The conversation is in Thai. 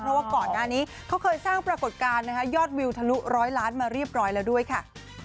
เพราะว่าก่อนหน้านี้เขาเคยสร้างปรากฏการณ์นะคะยอดวิวทะลุร้อยล้านมาเรียบร้อยแล้วด้วยค่ะ